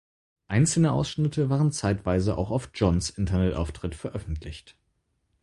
Einzelne Ausschnitte waren zeitweise auch auf Johns Internetauftritt veröffentlicht.